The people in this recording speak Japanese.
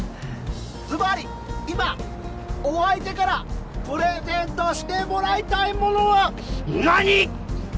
ずばり今お相手からプレゼントしてもらいたいものは何？